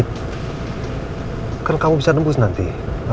perlu ke rumah sakit gak